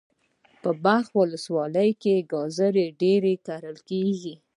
په بلخ ولسوالی کی ګازر ډیر کرل کیږي.